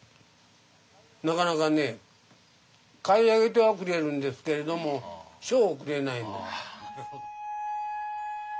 なかなかね買い上げてはくれるんですけれども賞をくれない。